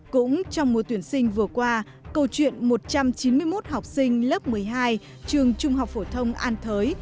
cũng trong mùa tuyển sinh vừa qua câu chuyện một trăm chín mươi một học sinh lớp một mươi hai trường trung học phổ thông an thới